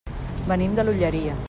Venim de l'Olleria.